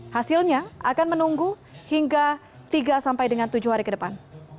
hasilnya akan menunggu hingga tiga sampai dengan tujuh hari ke depan